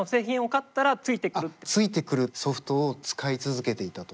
あっついてくるソフトを使い続けていたと。